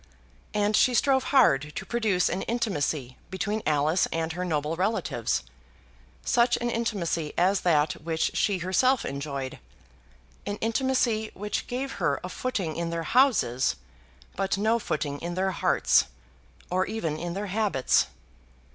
And she strove hard to produce an intimacy between Alice and her noble relatives such an intimacy as that which she herself enjoyed; an intimacy which gave her a footing in their houses but no footing in their hearts, or even in their habits.